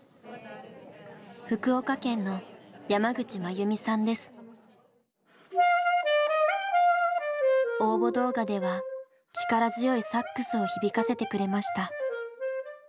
福岡県の応募動画では力強いサックスを響かせてくれました。